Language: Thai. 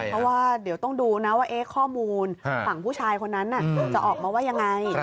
เพราะว่าเดี๋ยวต้องดูนะว่าข้อมูลฝั่งผู้ชายคนนั้นจะออกมาว่ายังไง